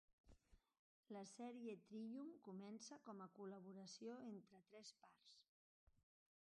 La "sèrie Trillium" començà com a col·laboració entre tres parts.